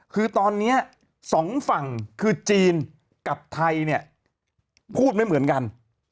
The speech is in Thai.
คือตอนนี้สองฝั่งคือจีนกับไทยเนี่ยพูดไม่เหมือนกัน